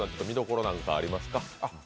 見どころなんかはありますか？